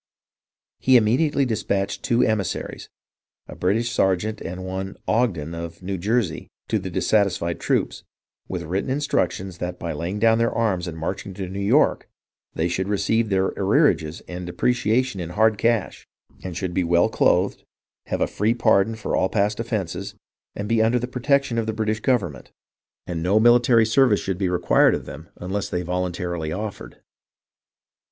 He immediately despatched two emissaries, a British sergeant and one Ogden of New Jersey, to the dissatisfied troops, with written instructions, that by laying down their arms and marching to New York, they should receive their arrearages and deprecia tion in hard cash, and should be well clothed, have a free pardon for all past offences, and be under the protec tion of the British government, and no military service 312 HISTORY OF THE AMERICAN REVOLUTION should be required of them unless voluntarily offered.